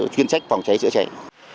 chuyên trách phòng cháy chữa cháy